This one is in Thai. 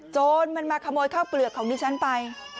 จนมันมาขโมยข้าวเปลือกของดิฉันไป